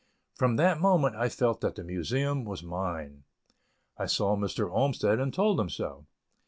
From that moment I felt that the Museum was mine. I saw Mr. Olmsted, and told him so.